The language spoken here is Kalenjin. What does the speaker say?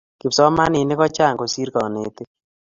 kipsomaninik kochang kosir kanetik